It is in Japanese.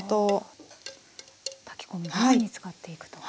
炊き込みご飯に使っていくと。